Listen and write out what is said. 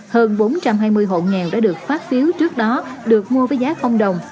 hơn bốn trăm hai mươi hộ nghèo đã được phát phiếu trước đó được mua với giá đồng